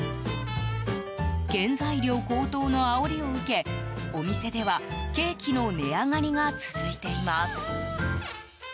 原材料高騰のあおりを受けお店ではケーキの値上がりが続いています。